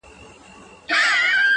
• نو زنده گي څه كوي ـ